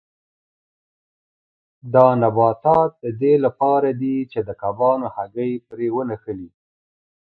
دا نباتات د دې لپاره دي چې د کبانو هګۍ پرې ونښلي.